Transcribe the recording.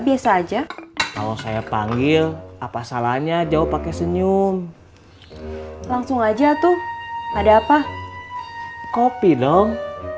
biasa aja kalau saya panggil apa salahnya jauh pakai senyum langsung aja tuh ada apa kopi dong